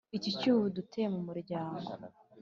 iki cyuho uduteye mu muryangooo